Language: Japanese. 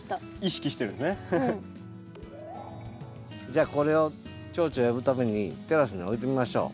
じゃあこれをチョウチョ呼ぶためにテラスに置いてみましょう。